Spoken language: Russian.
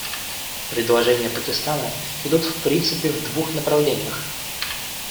Предложения Пакистана идут в принципе в двух направлениях.